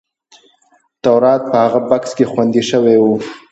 تورات په هغه بکس کې خوندي شوی و.